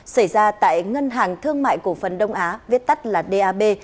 xảy ra tại ngân hàng thương mại cổ phần đông á viết tắt là dab